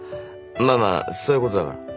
まあまあそういうことだから。